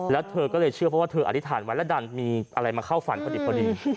แล้วเธอก็เลยเชื่อเพราะว่าเธออธิษฐานไว้แล้วดันมีอะไรมาเข้าฝันพอดี